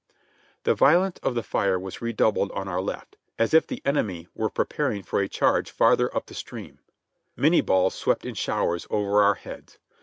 The violence of the fire was redoubled on our left, as if the enemy were preparing for a charge farther up the stream ; ]\Iinie balls swept in showers over our heads.